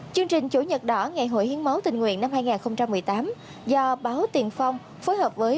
chương trình chủ nhật đỏ ngày hội hiến máu tình nguyện năm hai nghìn một mươi tám do báo tiền phong phối hợp với